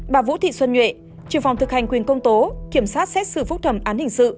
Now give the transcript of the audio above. bà vũ thị xuân nhuệ trừ phòng thực hành quyền công tố kiểm soát xét xử phúc thẩm án hình sự